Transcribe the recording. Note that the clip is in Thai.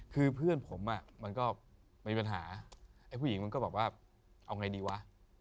คือเพื่อนผมอ่ะมันก็มีปัญหาไอ้ผู้หญิงมันก็บอกว่าเอาไงดีวะ